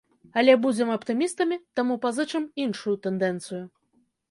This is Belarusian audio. Але будзем аптымістамі, таму пазычым іншую тэндэнцыю.